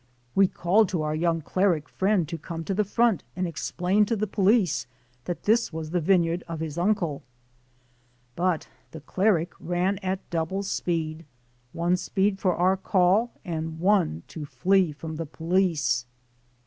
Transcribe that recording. We called to our young cleric friend to come to the front and explain to the police that this was the vineyard of his uncle. But the cleric ran at double speed, one speed for our call and one to flee from the police.